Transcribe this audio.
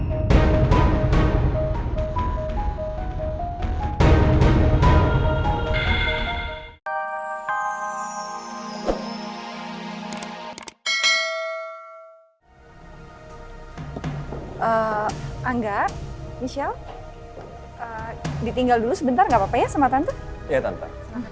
anggar michelle ditinggal dulu sebentar nggak apa apa ya sama tante ya tante